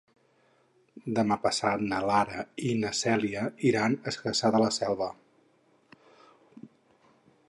Demà passat na Lara i na Cèlia iran a Cassà de la Selva.